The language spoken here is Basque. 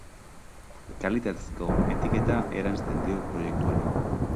Kalitatezko etiketa eransten dio proiektuari.